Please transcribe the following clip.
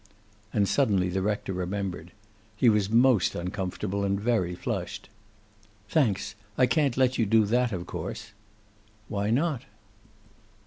And suddenly the rector remembered. He was most uncomfortable, and very flushed. "Thanks. I can't let you do that, of course." "Why not?"